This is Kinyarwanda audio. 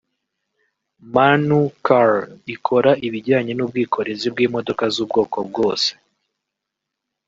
Manu-Car’ ikora ibijyanye n’ubwikorezi bw’imodoka z’ubwoko bwose